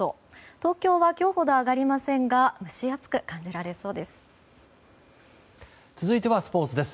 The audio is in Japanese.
東京は今日ほど上がりませんが蒸し暑く感じられそうです。